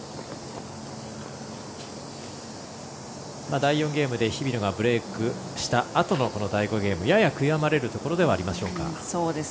第４ゲームで日比野がブレークしたあとのこの第５ゲームやや悔やまれるところではあるでしょうか。